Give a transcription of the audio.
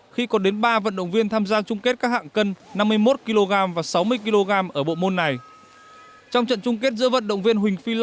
khi có đến ba vận động viên tham gia chung kết các hạng cân năm mươi một kg và sáu mươi kg ở bộ môn này